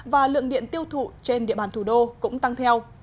và lượng điện tiêu thụ trên địa bàn thủ đô cũng tăng theo